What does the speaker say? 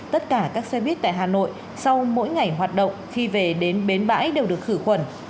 tất cả các xe buýt tại hà nội sau mỗi ngày hoạt động khi về đến bến bãi đều được khử khuẩn